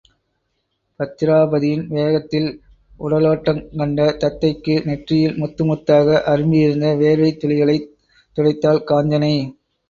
பத்திராபதியின் வேகத்தில் உடலாட்டங் கண்ட தத்தைக்கு நெற்றியில் முத்து முத்தாக அரும்பியிருந்த வேர்வைத் துளிகளைத் துடைத்தாள் காஞ்சனை.